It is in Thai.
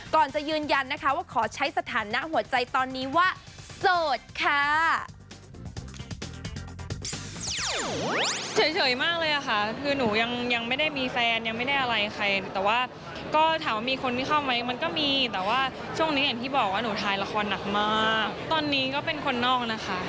ก่อนจะยืนยันนะคะว่าขอใช้สถานะหัวใจตอนนี้ว่าโสดค่ะ